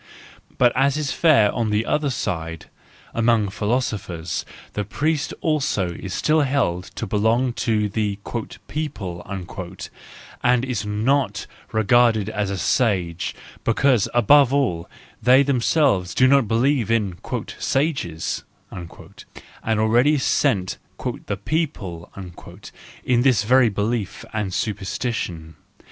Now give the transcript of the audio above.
—But as is fair on the other side, among philosophers the priest also is still held to belong to the " people/ 1 and is not regarded as a sage, because, above all, they them¬ selves do not believe in " sages," and they already scent "the people" in this very belief and super¬ stition.